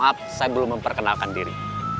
maaf saya belum memperkenalkan diri